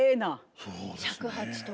尺八とか。